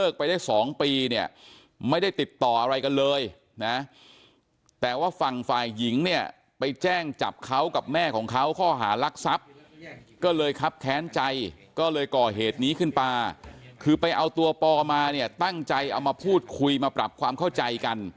ก็เลยครับแค้นใจก็เลยก่อเหตุนี้ขึ้นไปคือไปเอาตัวปอภรรยาจริงมาเนี่ยตั้งใจเอามาพูดคุยมาปรับความเข้าใจกัน